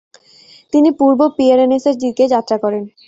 তিনি পূর্ব পিয়েরেনেস-এর দিকে যাত্রা করেন।